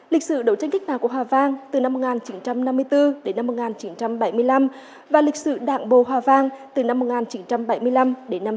lịch sử đấu tranh cách mạng của hòa vang từ năm một nghìn chín trăm năm mươi bốn đến năm một nghìn chín trăm bảy mươi năm và lịch sử đảng bồ hòa vang từ năm một nghìn chín trăm bảy mươi năm đến năm hai nghìn một mươi